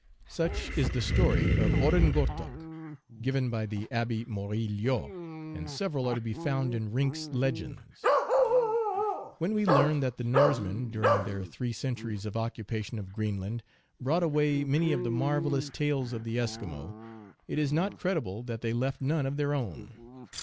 Such is the story of Oren gortok, given by the Abbe Moril lot, and several are to be found in Rink s Legends. When we learn that the Norsemen, during their three centuries of occupation of Greenland, brought away many of the marvelous tales of the Eskimo, it is not credible that they left none of their own.